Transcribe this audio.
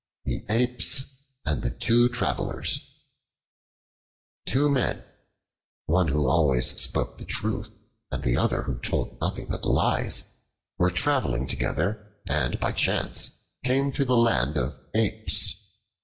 The Apes and the Two Travelers TWO MEN, one who always spoke the truth and the other who told nothing but lies, were traveling together and by chance came to the land of Apes.